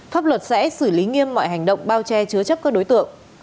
pháp luật sẽ xử lý nghiêm mọi hành động bao che chứa chấp các đối tượng